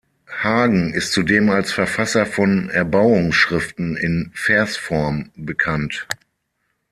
Hagen ist zudem als Verfasser von Erbauungsschriften in Versform bekannt.